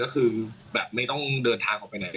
ก็คือไม่ต้องเดินทางไปไหน